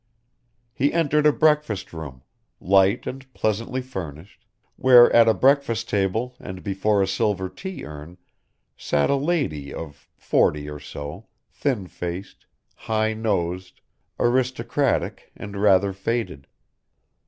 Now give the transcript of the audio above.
He entered a breakfast room, light and pleasantly furnished, where at a breakfast table and before a silver tea urn sat a lady of forty or so, thin faced, high nosed, aristocratic and rather faded.